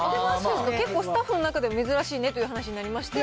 結構スタッフの中では珍しいねっていう話になりまして。